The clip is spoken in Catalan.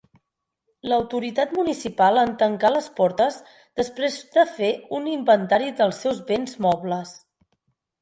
L'autoritat municipal en tancà les portes, després de fer un inventari dels seus béns mobles.